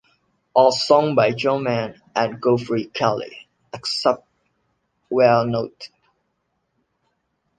All songs by John Mann and Geoffrey Kelly, except where noted.